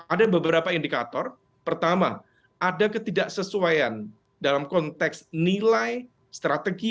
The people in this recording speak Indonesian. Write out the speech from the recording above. ada beberapa indikator pertama ada ketidaksesuaian dalam konteks nilai strategi